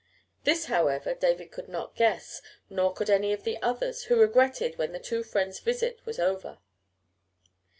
This, however, David could not guess, nor could any of the others, who regretted when the two friends' visit was over.